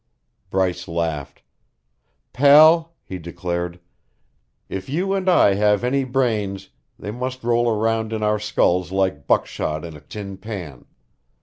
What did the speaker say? Bryce laughed. "Pal," he declared, "if you and I have any brains, they must roll around in our skulls like buckshot in a tin pan.